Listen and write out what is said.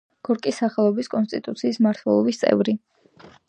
გორკის სახელობის კინოსტუდიის მმართველობის წევრი.